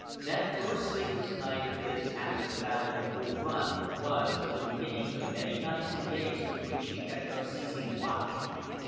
That first sleepless night of his after the battle of Bull Run was but the beginning of many nights and days through which he kept unceasing watch.